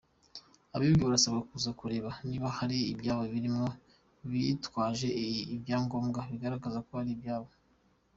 Abibwe barasabwa kuza kureba niba hari ibyabo birimo bitwaje ibyangombwa bigaragaza ko ari ibyabo.